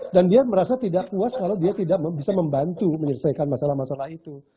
dan dia merasa tidak puas kalau dia tidak bisa membantu menyelesaikan masalah masalah itu